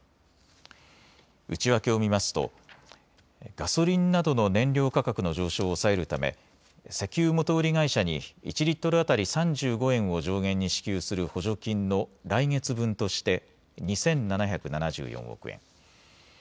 内訳を見ますとガソリンなどの燃料価格の上昇を抑えるため石油元売り会社に１リットル当たり３５円を上限に支給する補助金の来月分として２７７４億円。